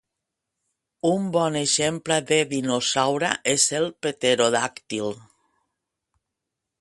Un bon exemple de dinosaure és el pterodàctil.